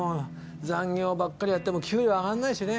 残業ばっかりやっても給料上がんないしね。